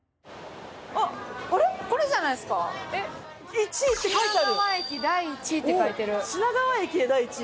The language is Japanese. １位って書いてある。